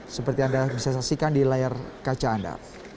seperti anda bisa saksikan di layar kaca anda